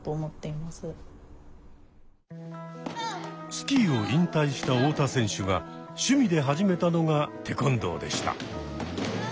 スキーを引退した太田選手が趣味で始めたのが「テコンドー」でした。